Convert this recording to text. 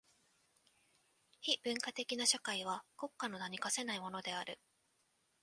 非文化的な社会は国家の名に価せないものである。